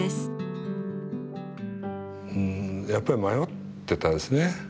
うんやっぱり迷ってたですね。